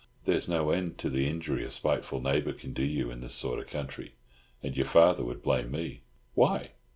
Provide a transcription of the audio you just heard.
There's no end to the injury a spiteful neighbour can do you in this sort of country. And your father would blame me." "Why?"